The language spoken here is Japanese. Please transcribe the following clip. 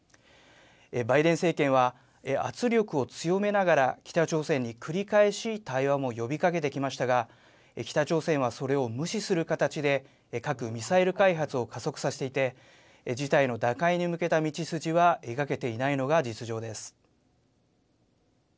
バイデン政権は圧力を強めながら、北朝鮮に繰り返し対話も呼びかけてきましたが、北朝鮮はそれを無視する形で、核・ミサイル開発を加速させていて、事態の打開に向けた道筋は描けていないのが実情です。